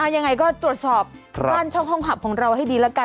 ยังไงก็ตรวจสอบบ้านช่องห้องหับของเราให้ดีแล้วกัน